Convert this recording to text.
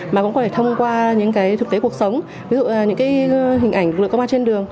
mà cũng có thể thông qua những cái thực tế cuộc sống ví dụ những cái hình ảnh lực lượng công an trên đường